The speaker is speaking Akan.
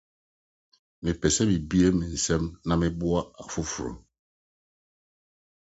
Mepɛ sɛ mibue me nsam na meboa afoforo.